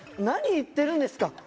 何言ってるんですか！